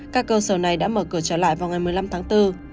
các cơ sở này đã mở cửa trở lại vào ngày một mươi năm tháng bốn